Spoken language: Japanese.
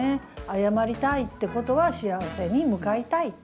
謝りたいってことは幸せに向かいたい。